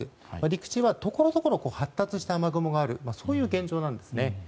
陸地は、ところどころ発達した雨雲があるという現状なんですね。